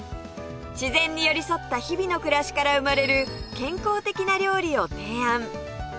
自然に寄り添った日々の暮らしから生まれる健康的な料理を提案